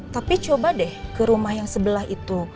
tapi coba deh ke rumah yang sebelah itu